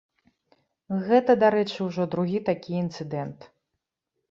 Гэта, дарэчы, ужо другі такі інцыдэнт.